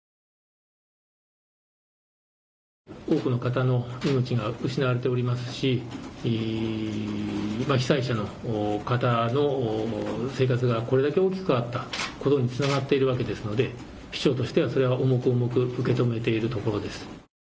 多くの方の命が失われていますし、被災者の方の生活がこれだけ大きく変わったことにつながっているわけですので市長としては重く重く受け止めているところです。